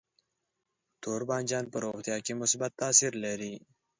تور بانجان په روغتیا کې مثبت تاثیر لري.